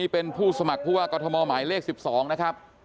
เป็นผู้สมัครผู้ว่ากรทมหมายเลข๑๒นะครับ